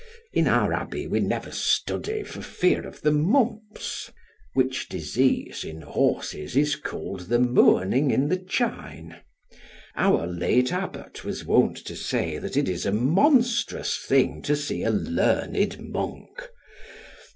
In our abbey we never study for fear of the mumps, which disease in horses is called the mourning in the chine. Our late abbot was wont to say that it is a monstrous thing to see a learned monk.